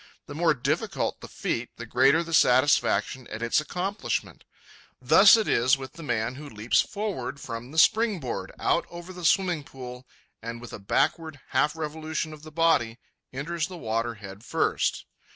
The more difficult the feat, the greater the satisfaction at its accomplishment. Thus it is with the man who leaps forward from the springboard, out over the swimming pool, and with a backward half revolution of the body, enters the water head first.